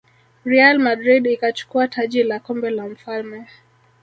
real madrid ikachukua taji la kombe la mfalme